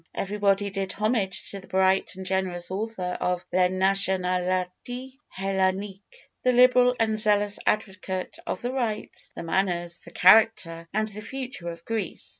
Everybody did homage to the bright and generous author of "La Nationalité Hellénique," the liberal and zealous advocate of the rights, the manners, the character, and the future of Greece.